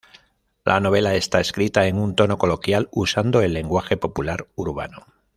La novela está escrita en un tono coloquial usando el lenguaje popular urbano.